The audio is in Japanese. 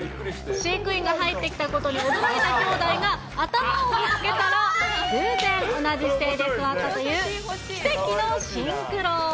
飼育員が入ってきたことに驚いた兄弟が、頭をぶつけたら、偶然、同じ姿勢で座ったという奇跡のシンクロ。